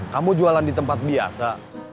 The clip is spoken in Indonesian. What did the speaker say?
kamu jualan di tempat biasa